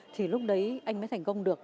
thì lúc đấy anh mới thành công được